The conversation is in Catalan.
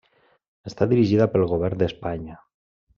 Està dirigida pel govern d'Espanya.